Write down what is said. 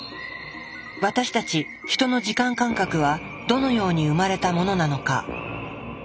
私たちヒトの時間感覚はどのように生まれたものなのか。